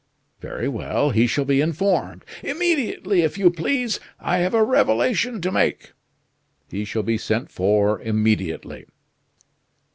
"Very well. He shall be informed." "Immediately, if you please. I have a revelation to make." "He shall be sent for immediately."